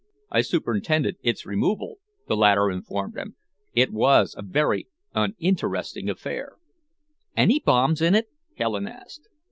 "I superintended its removal," the latter informed them. "It was a very uninteresting affair." "Any bombs in it?" Helen asked.